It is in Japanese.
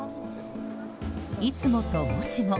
いつもと、もしも。